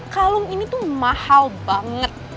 kalung ini tuh mahal banget